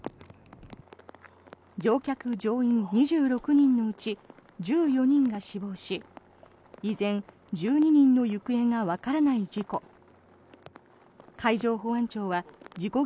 乗客・乗員２６人のうち１４人が死亡し依然、１２人の行方がわからない事故。